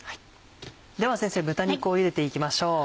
では先生豚肉をゆでていきましょう。